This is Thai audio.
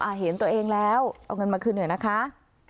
เห็นตัวเองแล้วเอาเงินมาคืนหน่อยนะคะ